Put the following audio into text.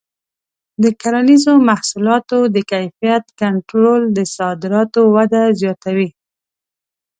د کرنیزو محصولاتو د کیفیت کنټرول د صادراتو وده زیاتوي.